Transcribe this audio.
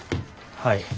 はい。